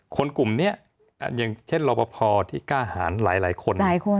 คนกลุ่มนี้อย่างเช่นรอปภที่กล้าหารหลายคน